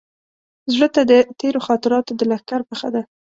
زړه ته د تېرو خاطراتو د لښکر مخه ده.